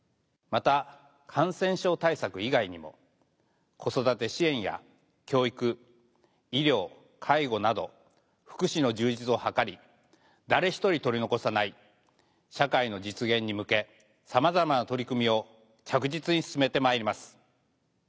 また感染症対策以外にも子育て支援や教育医療介護など福祉の充実を図り「誰一人取り残さない」社会の実現に向け様々な取組を着実に進めてまいります。